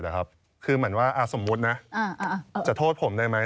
คือเหมือนว่าสมมุตินะจะโทษผมได้ไหม